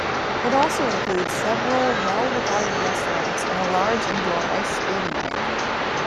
It also includes several well-regarded restaurants and a large indoor ice skating rink.